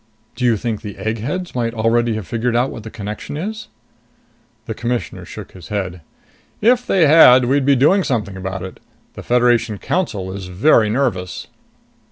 "Do you think the eggheads might already have figured out what the connection is?" The Commissioner shook his head. "If they had, we'd be doing something about it. The Federation Council is very nervous!"